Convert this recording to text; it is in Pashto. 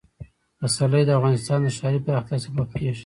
پسرلی د افغانستان د ښاري پراختیا سبب کېږي.